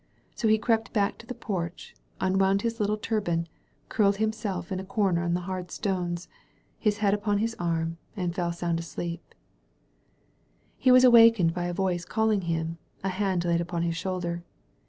So he crept back to the porch, it d unwound his little turban, curled himself in a comer on the hard stones, his head upon his arm, and fell iKJjr sound asleep. Tix He was awakened by a voice calling him, a hand )i^ laid upon his shoulder.